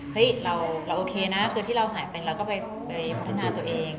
เราโอเคนะคือที่เราหายเป็นเราก็ไปพัฒนาตัวเอง